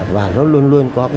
và nó luôn luôn là một sân khấu